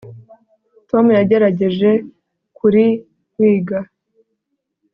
tom yagerageje kuri wig